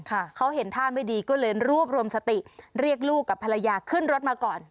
เขาเห็นท่าไม่ดีก็เลยรวบรวมสติเรียกลูกกับภรรยาขึ้นรถมาก่อน